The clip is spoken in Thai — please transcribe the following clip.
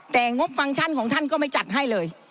แต่งบฟังก์ชั่นของท่านก็ไม่จัดให้เลย